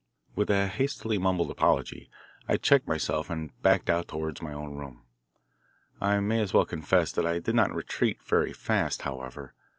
With a hastily mumbled apology I checked myself and backed out toward my own room. I may as well confess that I did not retreat very fast, however.